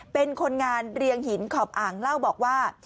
เป็นคนงานเรียงหินขอบอ่างเล่าบอกว่า